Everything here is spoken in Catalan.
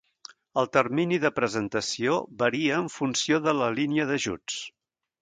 El termini de presentació varia en funció de la línia d'ajuts.